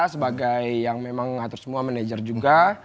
sebagai yang memang mengatur semua manajer juga